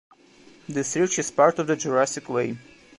This ridge is part of the Jurassic Way.